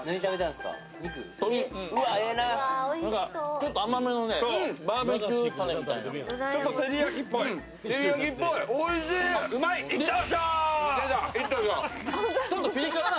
ちょっと甘めのバーベキューたれみたいな。